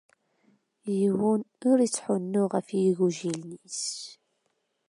Yiwen ur ittḥunnu ɣef yigujilen-is!